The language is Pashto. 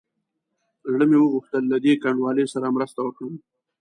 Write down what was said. زړه مې وغوښتل له دې کنډوالې سره مرسته وکړم.